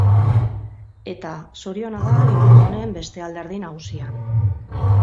Eta zoriona da liburu honen beste alderdi nagusia.